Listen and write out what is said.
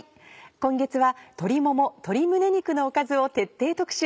今月は鶏もも鶏胸肉のおかずを徹底特集。